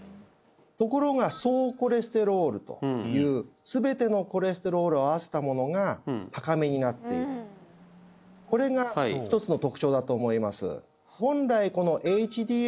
ところが総コレステロールという全てのコレステロールを合わせたものが高めになっているこれが一つの特徴だと思います